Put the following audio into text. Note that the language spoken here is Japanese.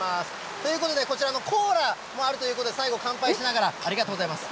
ということで、こちらのコーラもあるということで、最後、乾杯しながら、ありがとうございます。